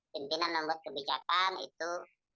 pimpinan membuat kebijakan itu